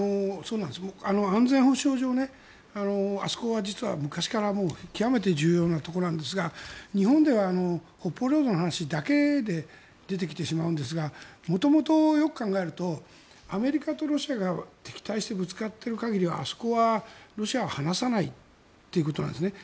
安全保障上あそこが実は昔から極めて重要なところですが日本で北方領土の話だけで出てきてしまうんですが元々よく考えるとアメリカとロシアが敵対してぶつかっている限りはあそこはロシアは放さないということなんですね。